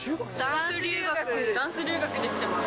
ダンス留学で来ています。